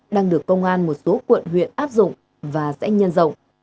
đang được công an một số quận huyện áp dụng và sẽ nhân rộng